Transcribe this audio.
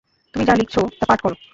তুমি যা লিখেছো তা পাঠ কর।